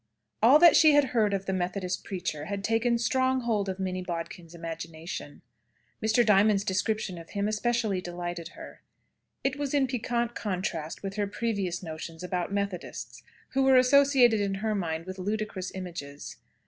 All that she had heard of the Methodist preacher had taken strong hold of Minnie Bodkin's imagination. Mr. Diamond's description of him especially delighted her. It was in piquant contrast with her previous notions about Methodists, who were associated in her mind with ludicrous images.